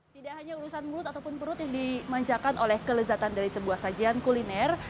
tidak hanya urusan mulut ataupun perut yang dimanjakan oleh kelezatan dari sebuah sajian kuliner